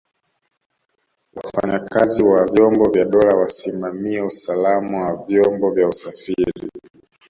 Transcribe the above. wafanyakazi wa vyombo vya dola wasimamie usalama wa vyombo vya usafiri